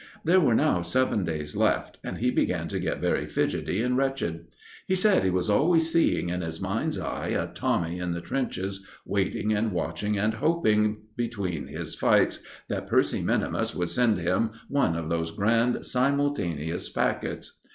There were now seven days left, and he began to get very fidgetty and wretched. He said he was always seeing in his mind's eye a Tommy in the trenches waiting and watching and hoping, between his fights, that Percy minimus would send him one of those grand simultaneous packets.